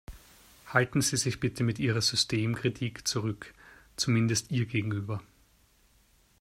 Halten Sie sich bitte mit Ihrer Systemkritik zurück, zumindest ihr gegenüber.